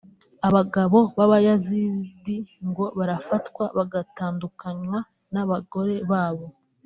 Abagabo b’abayazidi ngo barafatwa bagatandukanywa n’abagore babo